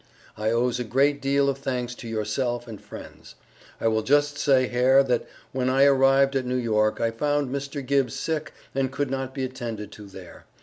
I owes a great deel of thanks to yourself and friends. I will just say hare that when I arrived at New York, I found Mr. Gibbs sick and could not be attended to there.